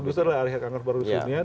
atau gitu adalah hari kanker paru sedunia